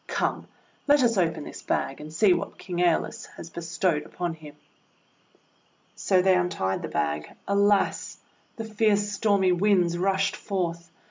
Come, let us open this bag, and see what King ^Eolus has be stowed upon him!' So they untied the bag. Alas! The fierce stormy Winds rushed forth!